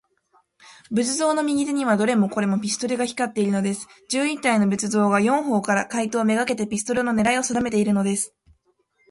仏像の右手には、どれもこれも、ピストルが光っているのです。十一体の仏像が、四ほうから、怪盗めがけて、ピストルのねらいをさだめているのです。